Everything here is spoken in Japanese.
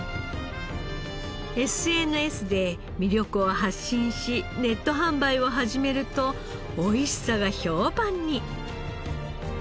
ＳＮＳで魅力を発信しネット販売を始めると美味しさが評判に。